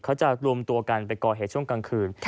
เขาจะรวมตัวกันไปก่อเหตุช่วงกลางคืน